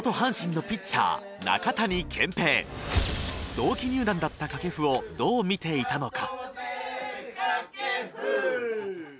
同期入団だった掛布をどう見ていたのか。